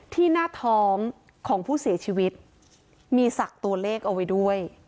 หน้าท้องของผู้เสียชีวิตมีศักดิ์ตัวเลขเอาไว้ด้วย